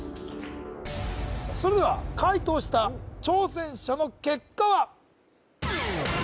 それでは解答した挑戦者の結果は？